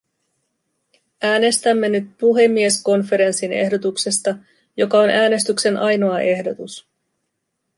Äänestämme nyt puhemieskonferenssin ehdotuksesta, joka on äänestyksen ainoa ehdotus.